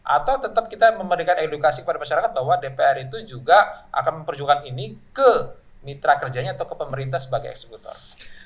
atau tetap kita memberikan edukasi kepada masyarakat bahwa dpr itu juga akan memperjuangkan ini ke mitra kerjanya atau ke pemerintah sebagai eksekutor